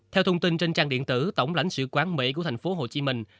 theo thông tin trên trang điện tử tổng lãnh sự quán mỹ của thành phố hồ chí minh